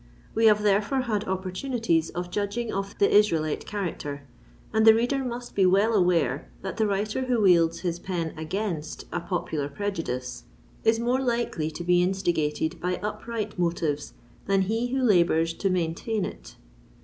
We have, therefore, had opportunities of judging of the Israelite character; and the reader must be well aware that the writer who wields his pen against a popular prejudice is more likely to be instigated by upright motives than he who labours to maintain it.